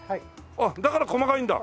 あっだから細かいんだ！